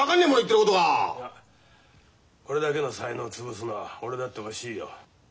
いやこれだけの才能を潰すのは俺だって惜しいよ。